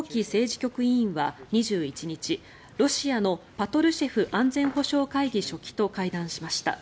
局員は２１日ロシアのパトルシェフ安全保障会議書記と会談しました。